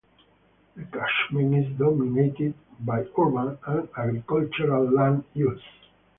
The catchment is dominated by urban and agricultural land use.